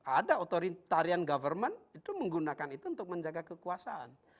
ada otoritarian government itu menggunakan itu untuk menjaga kekuasaan